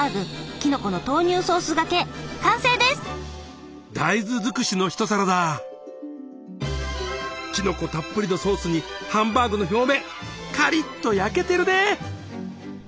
きのこたっぷりのソースにハンバーグの表面カリッと焼けてるね。